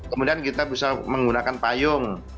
kemudian kita bisa menggunakan payung